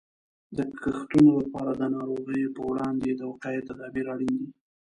د کښتونو لپاره د ناروغیو په وړاندې د وقایې تدابیر اړین دي.